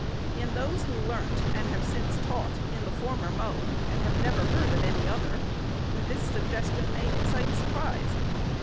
* In those who learnt, and have since taught, in the former mode, and have never heard of any other, this suggestion may excite surprise.